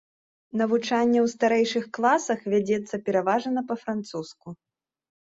Навучанне ў старэйшых класах вядзецца пераважна па-французску.